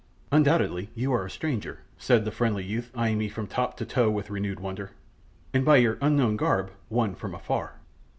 "Undoubtedly you are a stranger," said the friendly youth, eyeing me from top to toe with renewed wonder, "and by your unknown garb one from afar."